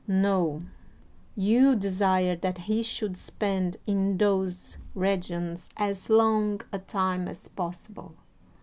No, you desired that he should spend in those regions as long a time as possible.